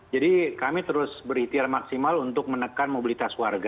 jadi kami terus beritia maksimal untuk menekan mobilitas warga